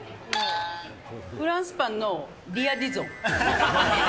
フランスパンのリア・ディゾン。